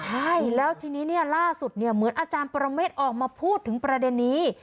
ใช่แล้วทีนี้เนี่ยล่าสุดเหมือนอาจารย์ปรเมฆออกมาพูดถึงประเด็นนี้